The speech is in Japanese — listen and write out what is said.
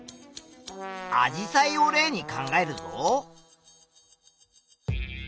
アジサイを例に考えるぞ。